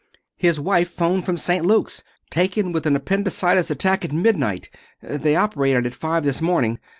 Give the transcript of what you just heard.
"His wife 'phoned from St. Luke's. Taken with an appendicitis attack at midnight. They operated at five this morning.